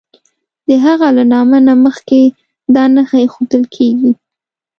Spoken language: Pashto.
د هغه له نامه نه مخکې دا نښه ایښودل کیږي.